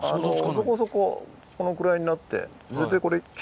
そこそここのくらいになって。